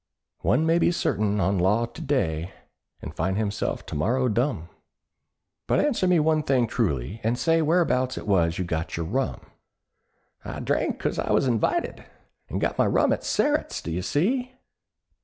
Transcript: One may be certain on law to day, And find himself to morrow dumb.— "But answer me one thing truly, and say Where'bouts it was you got your rum?" "I drank because I was invited, And got my rum at Sterret's, d'ye see?"